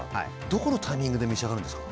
どこのタイミングで召し上がるんですか。